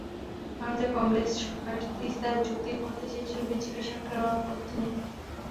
ভারতের কংগ্রেস সরকার তিস্তা চুক্তি করতে চেয়েছিল, বিজেপি সরকারেরও আপত্তি নেই।